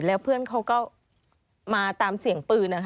แล้วเพื่อนเขาก็มาตามเสียงปืนนะคะ